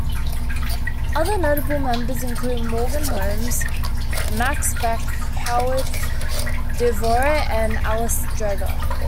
Other notable members included Morgan Holmes, Max Beck, Howard Devore and Alice Dreger.